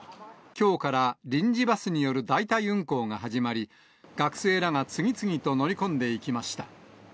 きょうから臨時バスによる大体運行が始まり、学生らが次々と乗り込んでいきました。